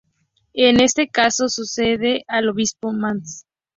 En este cargo sucede al obispo Mons.